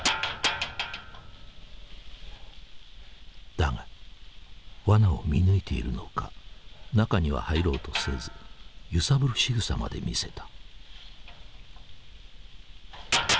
だがワナを見抜いているのか中には入ろうとせず揺さぶるしぐさまで見せた。